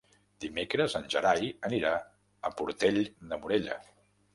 Dimecres en Gerai anirà a Portell de Morella.